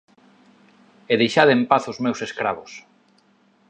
E deixade en paz os meus escravos.